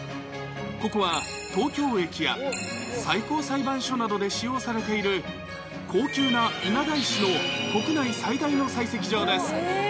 ここは東京駅や最高裁判所などで使用されている、高級な稲田石の国内最大の採石場です。